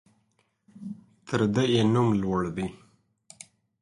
تر ده يې نوم لوړ دى.